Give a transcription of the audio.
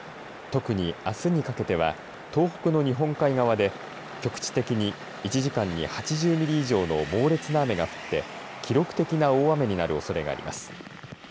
特に、あすにかけては東北の日本海側で局地的に１時間に８０ミリ以上の猛烈な雨が降って記録的な大雨になるおそれがあります。